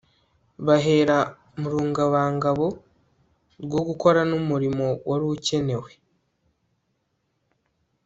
Bahera mu rungabangabo rwo gukora numurimo wari ukenewe